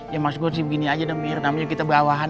ya maksud gue sih begini aja deh mir namanya kita bawahan